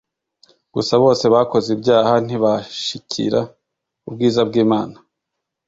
Gusa bose bakoze ibyaha ntibashikira ubwiza bwImana